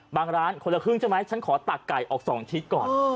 ร้านคนละครึ่งใช่ไหมฉันขอตักไก่ออก๒ชิดก่อน